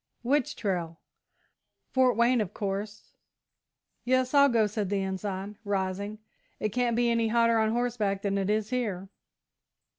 "Which trail?" "Fort Wayne, of course." "Yes, I'll go," said the Ensign, rising; "it can't be any hotter on horseback than it is here."